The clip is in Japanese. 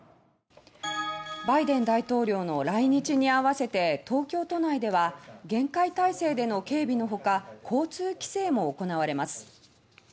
バイデン大統領の来日に合わせて東京都内では厳戒態勢での警備のほか交通規制も行われます。